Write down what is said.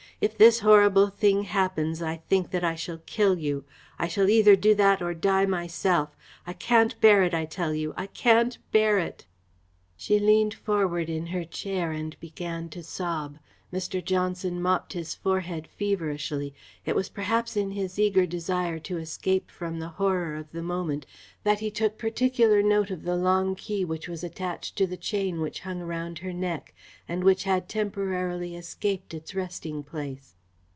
If this horrible thing happens, I think that I shall kill you. I shall either do that or die myself. I can't bear it, I tell you! I can't bear it!" She leaned forward in her chair and began to sob. Mr. Johnson mopped his forehead feverishly. It was perhaps in his eager desire to escape from the horror of the moment that he took particular note of the long key which was attached to the chain which hung around her neck, and which had temporarily escaped its resting place.